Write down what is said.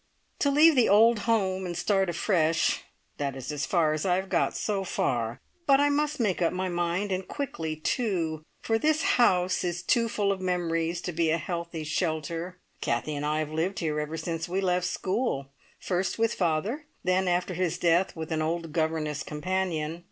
To leave the old home and start afresh that is as far as I have got so far but I must make up my mind, and quickly too, for this house is too full of memories to be a healthy shelter. Kathie and I have lived here ever since we left school, first with father, then after his death with an old governess companion.